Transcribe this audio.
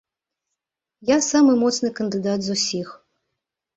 Я самы моцны кандыдат з усіх.